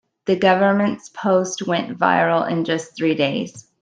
The government's post went viral in just three days.